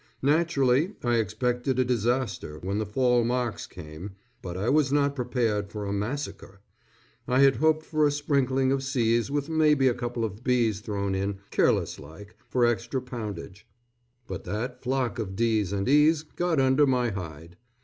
Naturally, I expected a disaster when the fall marks came, but I was not prepared for a massacre. I had hoped for a sprinkling of C's with maybe a couple of B's thrown in careless like for extra poundage; but that flock of D's and E's got under my hide.